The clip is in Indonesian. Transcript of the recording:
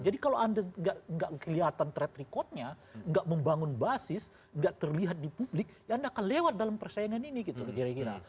jadi kalau anda tidak kelihatan track recordnya tidak membangun basis tidak terlihat di publik ya anda akan lewat dalam persaingan ini gitu kira kira